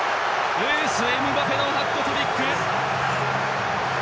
エース、エムバペのハットトリック！